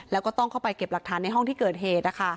แล้วก็ต้องเข้าไปเก็บหลักฐานในห้องที่เกิดเหตุ